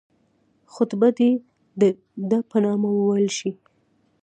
خطبه دي د ده په نامه وویل شي.